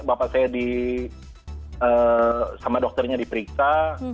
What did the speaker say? bapak saya sama dokternya diperiksa